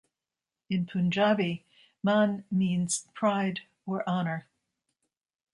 In Punjabi, "Mann" means "pride" or "honour".